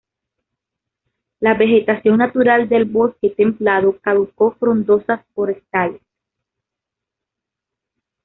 La vegetación natural del bosque templado caduco frondosas forestales.